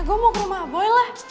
gue mau ke rumah boy lah